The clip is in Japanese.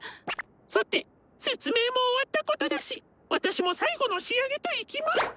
さて説明も終わったことだし私も最後の仕上げといきますか。